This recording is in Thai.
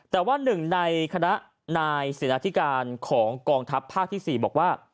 แต่ว่าหนึ่งในคณะนายศิราธิการของกองทัพภาคที่๔บอกว่า